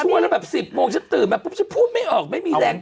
ชัวร์แล้วแบบ๑๐โมงฉันตื่นแบบพูดไม่ออกไม่มีแรง